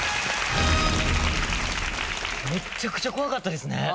めちゃくちゃ怖かったですね！